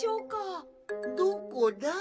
どこだ？